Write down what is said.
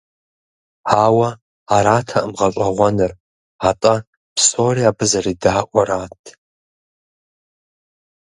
Ауэ аратэкъым гъэщӀэгъуэныр, атӀэ псори абы зэредаӀуэрат.